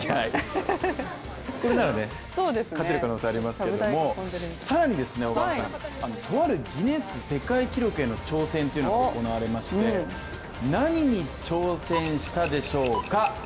これなら勝てる可能性ありますけれども更にですね、小川さんとあるギネス世界記録への挑戦が行われまして何に挑戦したでしょうか？